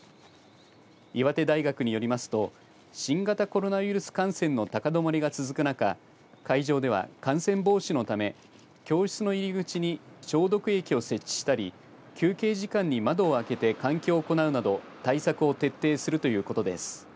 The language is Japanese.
岩手大学によりますと新型コロナウイルス感染の高止まりが続く中会場では感染防止のため教室の入り口に消毒液を設置したり休憩時間に窓を開けて換気を行うなど対策を徹底するということです。